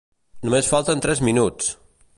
Només falten tres minuts!